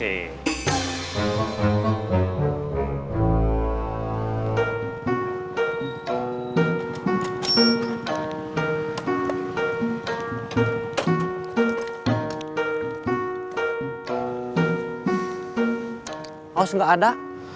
aus nggak ada